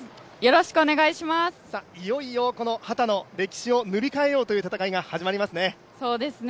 いよいよこの秦の歴史を塗り替えようという戦いが始まりますね。